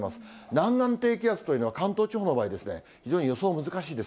南岸低気圧というのは、関東地方の場合、非常に予想難しいです。